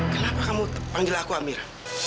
kenapa kamu panggil aku amir